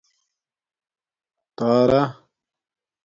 تارا